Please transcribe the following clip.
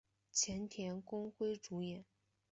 前田公辉主演。